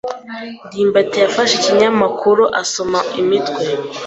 ndimbati yafashe ikinyamakuru asoma imitwe.